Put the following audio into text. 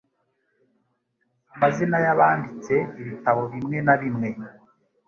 amazina y abanditse ibitabo bimwe na bimwe